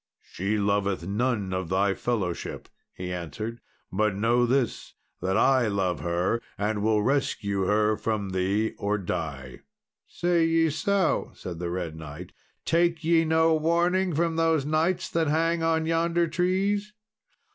"She loveth none of thy fellowship," he answered; "but know this, that I love her, and will rescue her from thee, or die." "Say ye so!" said the Red Knight. "Take ye no warning from those knights that hang on yonder trees?"